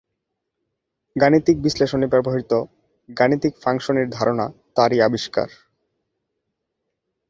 গাণিতিক বিশ্লেষণে ব্যবহৃত গাণিতিক ফাংশন-এর ধারণা তারই আবিষ্কার।